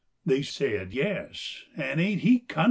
They said, "Yes," and, "Ain't he cunnin'?"